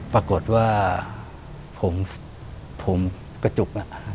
แปลกว่าผงกระจุก